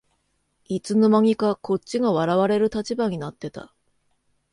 いつの間にかこっちが笑われる立場になってた